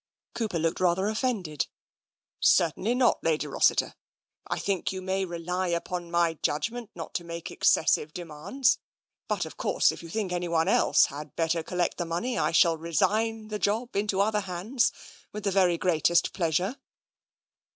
Cooper looked rather offended. " Certainly not, Lady Rossiter. I think you may rely upon my judgment not to make excessive demands. But, of course, if you think anyone else had better col lect the money, I shall resign the job into other hands with the very greatest pleasure."